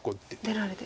出られて。